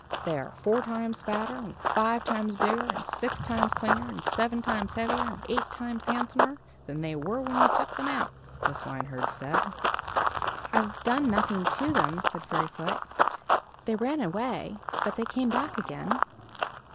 "They are four times fatter, and five times bigger, and six times cleaner, and seven times heavier, and eight times handsomer than they were when you took them out," the swineherd said. "I've done nothing to them," said Fairyfoot. "They ran away, but they came back again."